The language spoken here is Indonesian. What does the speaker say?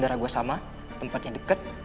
jangan tempa nya